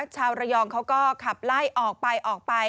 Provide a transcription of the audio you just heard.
ชาวระยองเขาก็ขับไล่ออกไปออกไป